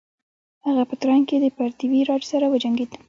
هغه په تراین کې د پرتیوي راج سره وجنګید.